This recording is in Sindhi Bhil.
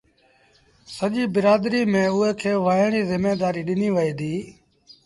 سڄيٚ برآدريٚ ميݩ اُيٚڻ ويهڻ ريٚ زميدآريٚ ڏنيٚ وهي ديٚ